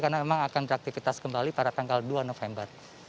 karena memang akan beraktivitas kembali pada tanggal dua november